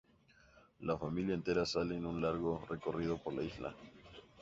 La familia entera sale en un largo recorrido por la isla.